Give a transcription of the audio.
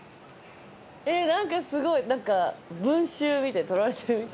えっ何かすごい。何か『文春』撮られてるみたい。